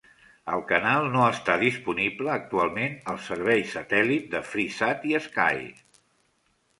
El canal no està disponible actualment als serveis satèl·lit de Freesat i Sky.